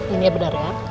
ini ya benar ya